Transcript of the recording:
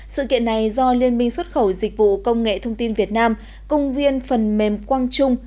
sự kiện này do liên minh xuất khẩu dịch vụ công nghệ thông tin việt nam công viên phần mềm quang trung